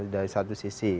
dari satu sisi